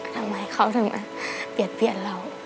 ทำไมเขาถึงเปลี่ยนเรา